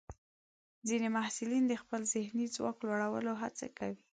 ځینې محصلین د خپل ذهني ځواک لوړولو هڅه کوي.